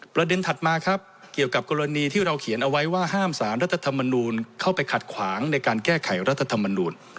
ถัดมาครับเกี่ยวกับกรณีที่เราเขียนเอาไว้ว่าห้ามสารรัฐธรรมนูลเข้าไปขัดขวางในการแก้ไขรัฐธรรมนูล